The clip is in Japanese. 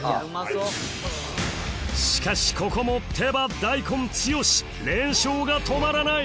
しかしここも手羽大根強し連勝が止まらない！